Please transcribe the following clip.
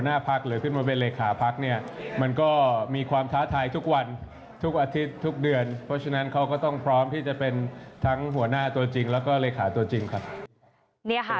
เนี่ยค่ะต้องพร้อมที่จะเป็นหัวหน้าตัวจริงแล้วก็ลิขาตัวจริงค่ะ